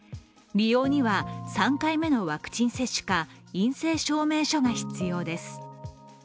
利用には、３回目のワクチン接種か陰性証明書が必要です。